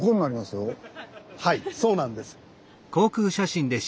はいそうなんです。